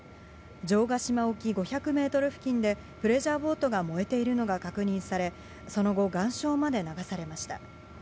城ヶ島沖５００メートル付近で、プレジャーボートが燃えているのが確認され、その後、岩礁まで流されました。